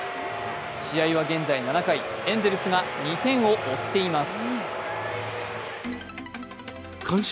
試合は現在４回エンゼルスが２点を追っています。